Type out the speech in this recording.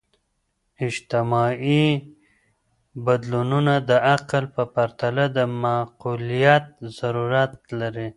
اجتماعي بدلونونه د عقل په پرتله د معقولیت ضرورت لري.